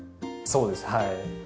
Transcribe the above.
そうですはい。